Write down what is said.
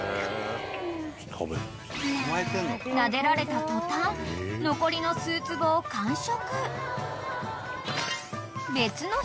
［なでられた途端残りの数粒を完食］